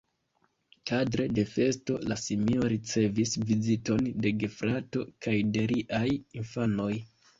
Kadre de festo, la simio ricevis viziton de gefrato kaj de riaj infanoj.